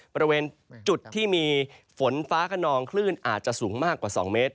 บริเวณจุดที่มีฝนฟ้าขนองคลื่นอาจจะสูงมากกว่า๒เมตร